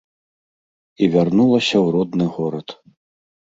І вярнулася ў родны горад.